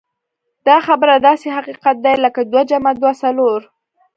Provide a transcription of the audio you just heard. دا خبره داسې حقيقت دی لکه دوه جمع دوه څلور.